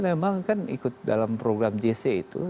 memang kan ikut dalam program jc itu